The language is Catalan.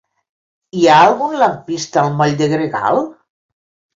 Hi ha algun lampista al moll de Gregal?